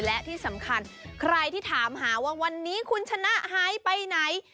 และที่สำคัญใครที่ถามหาว่าวันนี้คุณชนะหายไปไหน